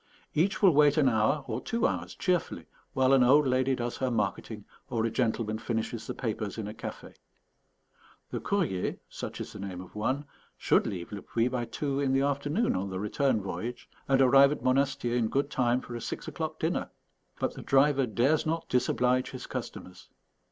Each will wait an hour or two hours cheerfully while an old lady does her marketing or a gentleman finishes the papers in a café. The _Courrier_(such is the name of one) should leave Le Puy by two in the afternoon on the return voyage, and arrive at Monastier in good time for a six o'clock dinner. But the driver dares not disoblige his customers.